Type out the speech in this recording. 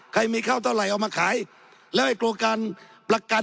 มีข้าวเท่าไหร่เอามาขายแล้วไอ้โครงการประกัน